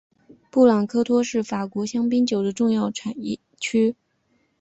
布朗科托是法国香槟酒的重要产区。